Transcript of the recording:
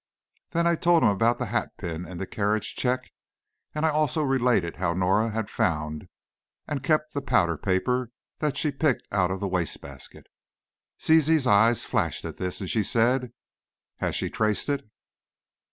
Then I told him about the hatpin and the carriage check; and I also related how Norah had found and kept the "powder paper" that she picked out of the waste basket. Zizi's eyes flashed at this, and she said, "Has she traced it?"